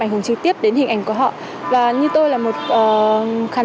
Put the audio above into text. nhưng hệ quả là thật